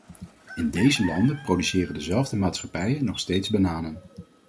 In deze landen produceren dezelfde maatschappijen nog steeds bananen.